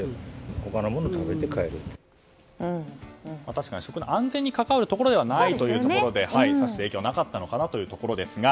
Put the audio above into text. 確かに食の安全に関わるところでないというところでさして影響はなかったのかなというところですが。